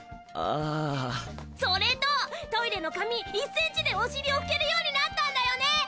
あそれとトイレの紙１センチでお尻を拭けるようになったんだよね！